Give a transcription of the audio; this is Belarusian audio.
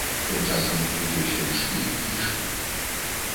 Тым часам людзі ўсё ішлі і ішлі.